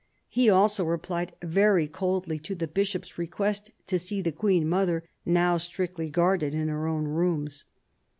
He also replied very coldly to the Bishop's request to see the Queen mother, now strictly guarded in her own rooms.